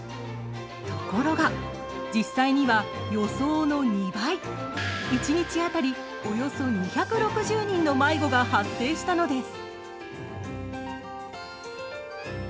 ところが実際には、予想の２倍１日当たりおよそ２６０人の迷子が発生したのです。